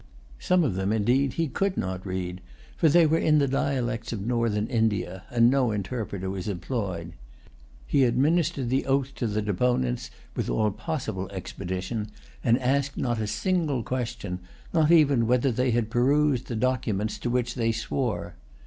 Some of them, indeed, he could not read; for they were in the dialects of Northern India, and no interpreter was employed. He administered the oath to the deponents, with all possible expedition, and asked not a single question, not even whether they had perused the statements to which they swore.